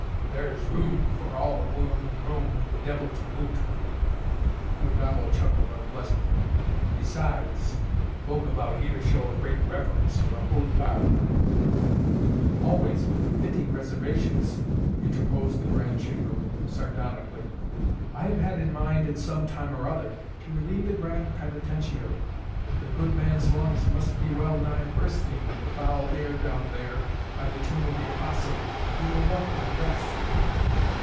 "There is room for all the world in Rome and the devil to boot." Il Gobbo chuckled unpleasantly. "Besides folk about here show a great reverence for a holy garb " "Always with fitting reservations," interposed the Grand Chamberlain sardonically. "I have had it in mind at some time or other to relieve the Grand Penitentiary. The good man's lungs must be well nigh bursting with the foul air down there by the Tomb of the Apostle. He will welcome a rest!"